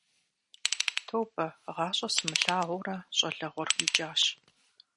Тобэ, гъащӀэ сымылъагъуурэ щӀалэгъуэр икӀащ.